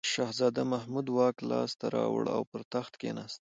شهزاده محمود واک لاس ته راوړ او پر تخت کښېناست.